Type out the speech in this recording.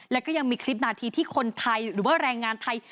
แล้วก็ยังมีคลิปนาทีที่คนไทยหรือว่าแรงงานไทย